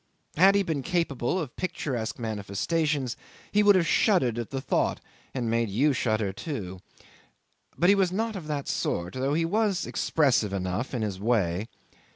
Had he been capable of picturesque manifestations he would have shuddered at the thought and made you shudder too. But he was not of that sort, though he was expressive enough in his way.